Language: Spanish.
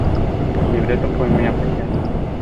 El libreto fue muy apreciado.